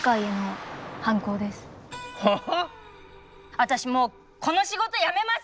私もうこの仕事辞めます！